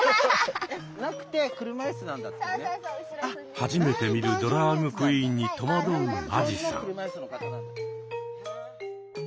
初めて見るドラァグクイーンに戸惑う間地さん。